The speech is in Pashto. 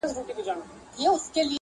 نقادان يې بېلابېل تحليلونه کوي تل,